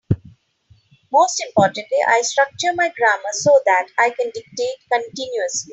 Most importantly, I structure my grammar so that I can dictate continuously.